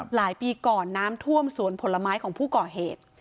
หลายปีก่อนน้ำท่วมสวนผลไม้ของผู้ก่อเหตุ